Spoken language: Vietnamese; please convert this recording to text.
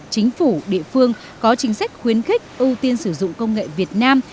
chính phủ địa phương có chính sách khuyến khích ưu tiên sử dụng công nghệ việt nam